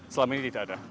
selama ini tidak ada